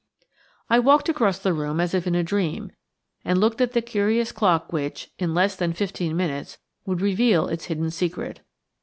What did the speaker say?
I walked across the room as if in a dream, and looked at the curious clock which, in less than fifteen minutes, would reveal its hidden secret.